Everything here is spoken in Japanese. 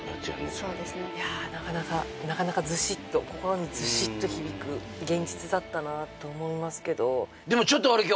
そうですねいやなかなかなかなかズシッと心にズシッと響く現実だったなと思いますけどでもちょっと俺今日